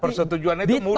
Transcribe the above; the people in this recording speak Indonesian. persetujuan itu mudah